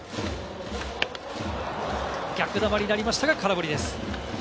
逆球になりましたが空振りです。